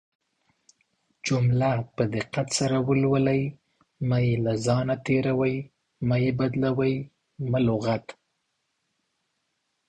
جمله په دقت سره ولولٸ مه يې له ځانه تيروٸ، مه يې بدالوۍ، مه لغت